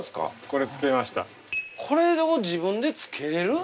これを自分でつけれる？